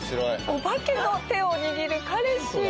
お化けの手を握る彼氏！